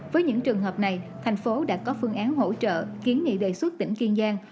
với những trường hợp này thành phố đã có phương án hỗ trợ kiến nghị đề xuất tỉnh kiên giang